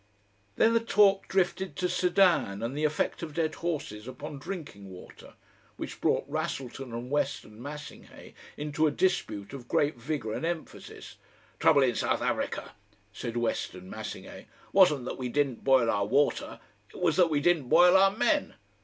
Then the talk drifted to Sedan and the effect of dead horses upon drinking water, which brought Wrassleton and Weston Massinghay into a dispute of great vigour and emphasis. "The trouble in South Africa," said Weston Massinghay, "wasn't that we didn't boil our water. It was that we didn't boil our men.